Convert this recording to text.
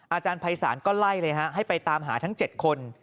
อาจารย์ภัยศาลก็ไล่เลยฮะให้ไปตามหาทั้ง๗คน